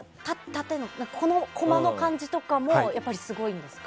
コマの感じとかもすごいんですか？